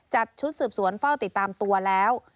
ชุดสืบสวนเฝ้าติดตามตัวแล้ว